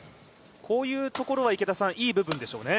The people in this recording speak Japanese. こういうところはいい部分でしょうね。